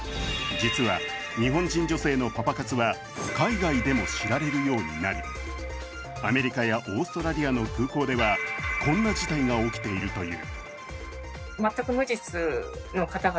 実は日本人女性のパパ活は海外でも知られるようになり、アメリカやオーストラリアの空港ではこんな事態が起きているという。